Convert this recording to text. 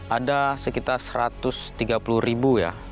ada sekitar satu ratus tiga puluh ribu ya